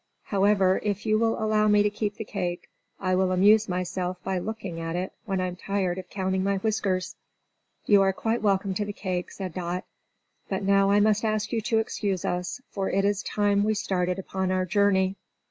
However, if you will allow me to keep the cake, I will amuse myself by looking at it when I'm tired of counting my whiskers." "You are quite welcome to the cake," said Dot. "But now I must ask you to excuse us, for it is time we started upon our journey."